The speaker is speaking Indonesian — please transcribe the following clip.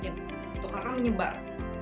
itu akan menyebar